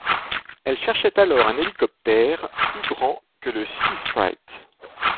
Elle cherchait alors un hélicoptère plus grand que le Seasprite.